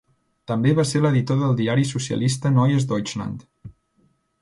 També va ser l'editor del diari socialista Neues Deutschland.